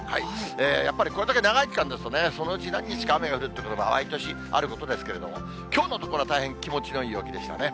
やっぱりこれだけ長い期間ですとね、そのうち何日か雨が降ってくることも毎年あることですけれども、きょうのところは大変気持ちのいい陽気でしたね。